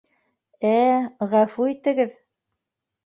Ә-ә... ғәфү итегеҙ!